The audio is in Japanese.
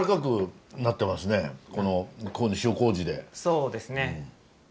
そうですね。